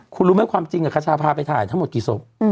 คุณรู้ไหมความจริงกะทะพาท่ายทั้งหมดกี่ศก